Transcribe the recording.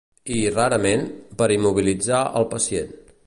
I, rarament, per immobilitzar el pacient.